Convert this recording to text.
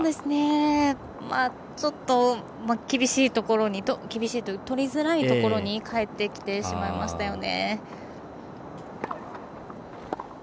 ちょっと厳しいというか取りづらいところに返ってきてしまいましたよね。